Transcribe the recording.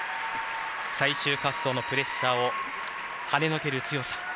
最終滑走のプレッシャーをはねのける強さ。